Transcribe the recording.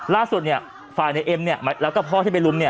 ร่าสุดฝ่ายในเอ็มแล้วกับพ่อที่ไปลุ้ม